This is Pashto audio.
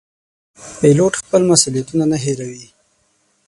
پیلوټ خپل مسوولیتونه نه هېروي.